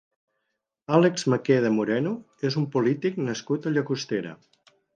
Àlex Maqueda Moreno és un polític nascut a Llagostera.